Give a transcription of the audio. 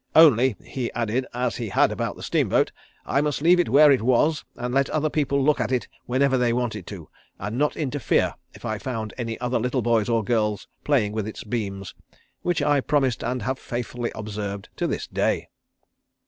Only, he added, as he had about the steamboat, I must leave it where it was and let other people look at it whenever they wanted to, and not interfere if I found any other little boys or girls playing with its beams, which I promised and have faithfully observed to this day.